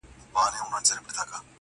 پر قاتل یې زیارت جوړ دی بختور دی.!